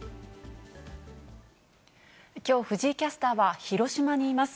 きょう、藤井キャスターは広島にいます。